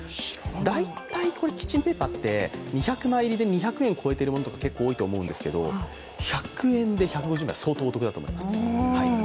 大体キッチンペーパーって２００枚入りで２００円超えているものって結構多いと思うんですけど１００円で１５０枚、相当お得だと思います。